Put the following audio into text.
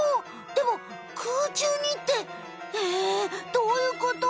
でも空中にってええどういうこと？